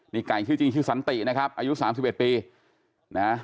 นี่ไก่ชื่อจริงชื่อสันตินะครับอายุ๓๑ปีนะ